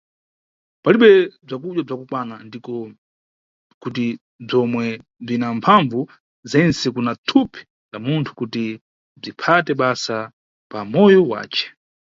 Palibe bzakudya bzakukwana ndiko kuti bzomwe bzina mphambvu zentse kuna thupi la munthu kuti bziphate basa pa moyo wace.